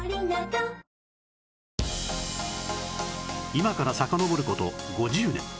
今からさかのぼる事５０年